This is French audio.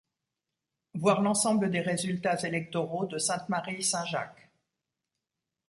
Voir l'ensemble des résultats électoraux de Sainte-Marie–Saint-Jacques.